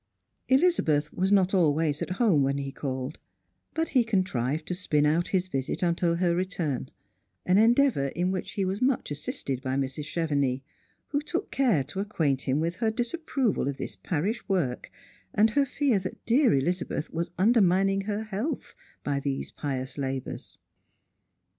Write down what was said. Elizabeth was not always at home when he called, but lie contrived to spin out his visit until her return ; an endeavour in which he was much assisted by Mrs. Chevenix, who took care to acquaint him with her disapproval of this parish work, and licr fear that dear Elizabeth was undermining her health by these pious labours.